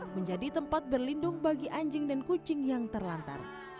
menjadi tempat berlindung bagi anjing dan kucing yang terlantar